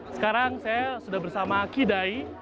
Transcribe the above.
sekarang saya sudah bersama kidai